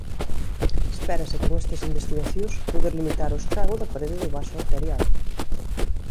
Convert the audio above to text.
Espérase con estas investigacións poder limitar o estrago da parede do vaso arterial.